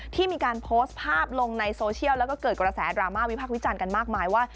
ที่มีการโพสต์ภาพลงในโซเชียลแล้วก็เกิดกระแสดราม่าวิพักษ์วิจารณ์กันมากมายว่า